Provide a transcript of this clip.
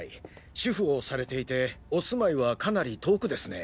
主婦をされていてお住まいはかなり遠くですね。